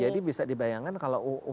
jadi bisa dibayangkan kalau